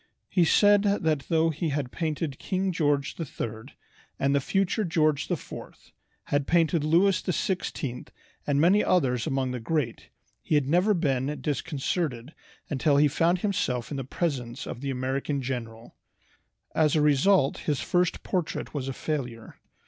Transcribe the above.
He said that though he had painted King George III and the future George IV, had painted Louis XVI and many others among the great, he had never been disconcerted until he found himself in the presence of the American general. As a result his first portrait was a failure.